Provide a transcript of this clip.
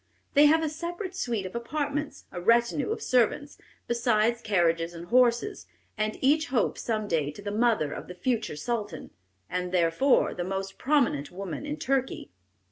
They have a separate suite of apartments, a retinue of servants, besides carriages and horses, and each hopes some day to be the mother of the future Sultan, and therefore the most prominent woman in Turkey.